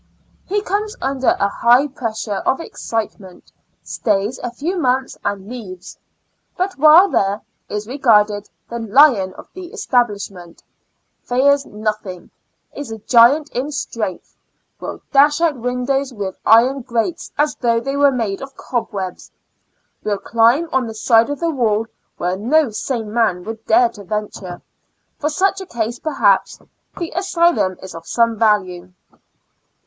He comes under a high pressure of excitement ; stays a few months and leaves. But while there, is regarded the lion of the establishment ; fears nothing ; is a giant in streno:th : will dash out windows with iron grates as though they were made of cob webs ; will climb on the side of the wall where no sane man would dare to venture. For such a case, perhaps the asylum is of some value.